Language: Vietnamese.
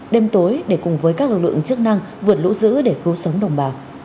đêm tối để cùng với các lực lượng chức năng vượt lũ giữ để cứu sống đồng bào